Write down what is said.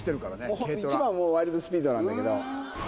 一番はワイルド・スピードなんだけど。